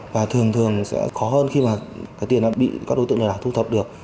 và thường thường sẽ khó hơn khi mà cái tiền đã bị các đối tượng lừa đảo thu thập được